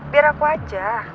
biar aku aja